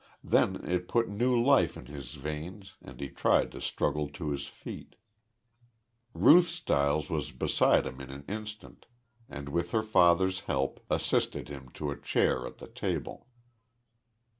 Then it put new life in his veins and he tried to struggle to his feet. Ruth Stiles was beside him in an instant and, with her father's help, assisted him to a chair at the table.